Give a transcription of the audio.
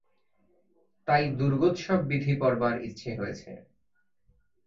তাই দুর্গোৎসব-বিধি পড়বার ইচ্ছে হয়েছে।